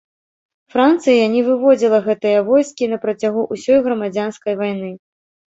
Францыя не выводзіла гэтыя войскі на працягу ўсёй грамадзянскай вайны.